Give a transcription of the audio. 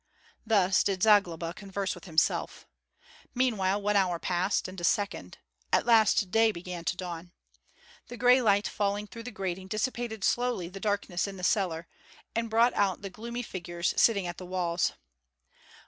Thus did Zagloba converse with himself. Meanwhile one hour passed, and a second; at last day began to dawn. The gray light falling through the grating dissipated slowly the darkness in the cellar, and brought out the gloomy figures sitting at the walls.